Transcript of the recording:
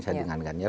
saya dengan ganjar